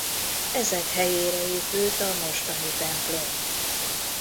Ezek helyére épült a mostani templom.